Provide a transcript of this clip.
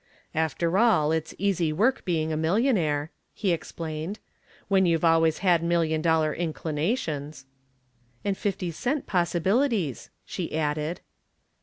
"After all, it's easy work being a millionaire," he explained, "when you've always had million dollar inclinations." "And fifty cent possibilities," she added.